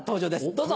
どうぞ。